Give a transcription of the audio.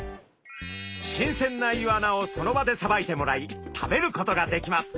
新鮮なイワナをその場でさばいてもらい食べることができます。